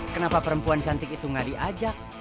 kenapa perempuan cantik itu gak diajak